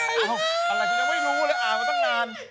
อะไรก็ยังไม่รู้เลยอ่านมาตั้งนาน